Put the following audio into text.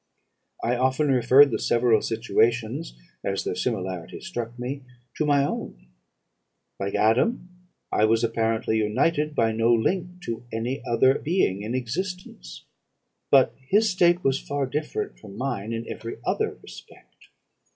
I often referred the several situations, as their similarity struck me, to my own. Like Adam, I was apparently united by no link to any other being in existence; but his state was far different from mine in every other respect.